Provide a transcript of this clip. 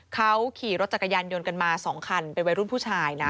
เขาขี่รถจักรยานยนต์กันมา๒คันเป็นวัยรุ่นผู้ชายนะ